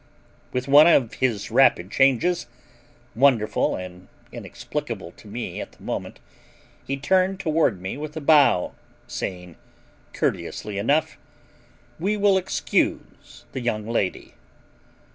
With one of his rapid changes, wonderful and inexplicable to me at the moment, he turned toward me with a bow, saying courteously enough: "We will excuse the young lady."